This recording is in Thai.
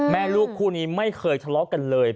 แม่ลูกคู่นี้ไม่เคยทะเลาะกันเลย